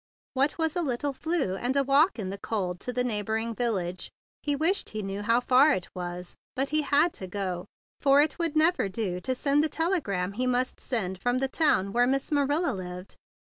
What was a little grippe and a walk in the cold to the neighboring village? He wished he knew how far it was, but he had to go, for it would never do to send the telegram he must send from the town where Miss Marilla lived.